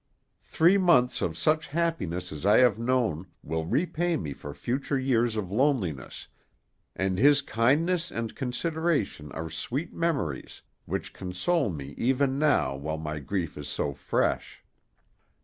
Three months of such happiness as I have known will repay me for future years of loneliness, and his kindness and consideration are sweet memories, which console me even now while my grief is so fresh.